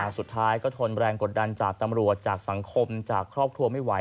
สุดท้ายก็ทนแรงกดดันจากตำรวจจากสังคมจากครอบครัวไม่ไหว